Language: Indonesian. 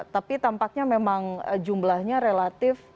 tapi tampaknya memang jumlahnya relatif